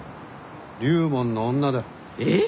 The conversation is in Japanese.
龍門の女だ。え？